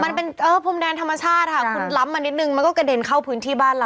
มันเป็นพรมแดนธรรมชาติค่ะคุณล้ำมานิดนึงมันก็กระเด็นเข้าพื้นที่บ้านเรา